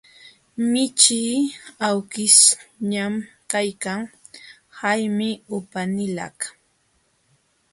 Michii awkishñam kaykan, haymi upanilaq.